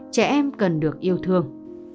trẻ em cần được yêu thương